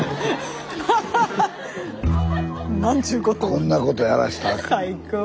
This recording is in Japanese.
こんなことやらしたらあかん。